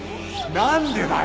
なんでだよ！